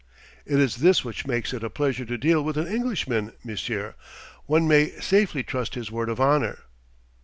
"It is this which makes it a pleasure to deal with an Englishman, monsieur: one may safely trust his word of honour."